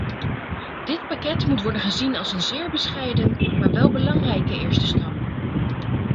Dit pakket moet worden gezien als een zeer bescheiden, maar wel belangrijke eerste stap.